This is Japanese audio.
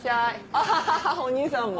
アハハお義兄さんも！